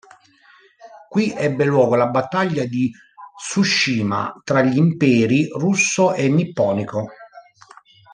Qui ebbe luogo la Battaglia di Tsushima tra gli imperi russo e nipponico.